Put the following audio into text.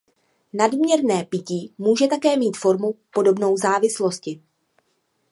Nadměrné pití může také mít formu podobnou závislosti.